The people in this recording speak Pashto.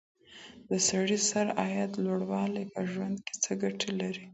د سړي سر عايد لوړوالی په ژوند کي څه ګټې لري؟